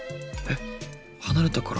離れたから発熱？